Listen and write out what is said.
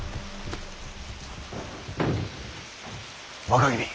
若君。